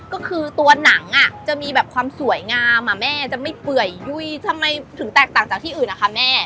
ก็คือตัวหนังจะมีแบบความสวยงามอ่ะแม่จะไม่เปื่อยยุ่ยทำไมถึงแตกต่างจากที่อื่นนะคะแม่